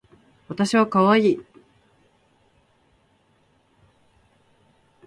わたしはかわいい